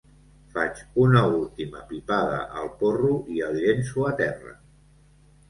Faig una última pipada al porro i el llenço a terra.